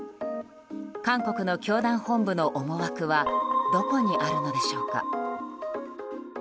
韓国の教団本部の思惑はどこにあるのでしょうか。